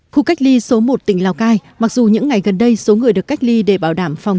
khu cách ly số một tỉnh lào cai mặc dù những ngày gần đây số người được cách ly để bảo đảm phòng